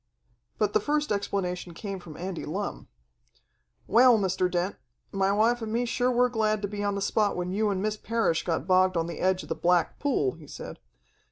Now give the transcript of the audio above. But the first explanation came from Andy Lumm. "Well, Mr. Dent, my wife and me sure were glad to be on the spot when you and Miss Parrish got bogged on the edge of the Black Pool," he said.